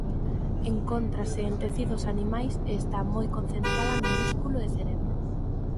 Encóntrase en tecidos animais e está moi concentrada no músculo e cerebro.